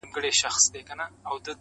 • ځوان له سپي څخه بېحده په عذاب سو -